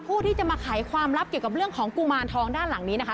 ผู้ที่จะมาไขความลับเกี่ยวกับเรื่องของกุมารทองด้านหลังนี้นะคะ